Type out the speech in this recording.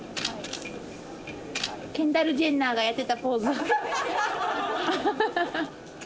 ケンダル・ジェンナーがやってたポーズ。